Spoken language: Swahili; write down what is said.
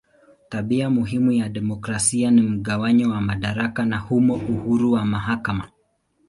Tabia muhimu ya demokrasia ni mgawanyo wa madaraka na humo uhuru wa mahakama.